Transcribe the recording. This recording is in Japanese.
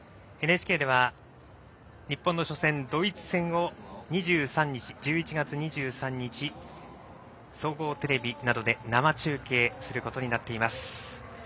ＮＨＫでは日本の初戦、ドイツ戦を１１月２３日、総合テレビなどで生中継することになっています。